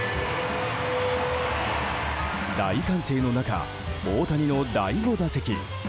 大歓声の中、大谷の第５打席。